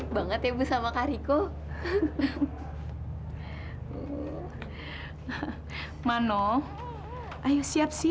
aku tahu kalau dia penuh memperkuasa sekretarisnya sendiri